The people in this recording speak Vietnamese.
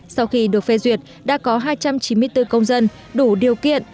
sau khi được phê duyệt đã có hai trăm chín mươi bốn công dân đủ điều kiện